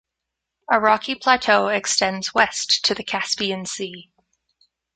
A rocky plateau extends west to the Caspian Sea.